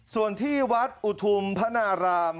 ส่วนที่วัดอุทุมพนาราม